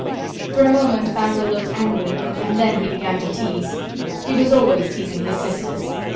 For a moment Basil looked angry, and then he began to tease. He was always teasing his sisters.